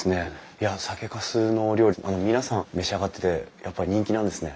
いや酒かすのお料理皆さん召し上がっててやっぱ人気なんですね。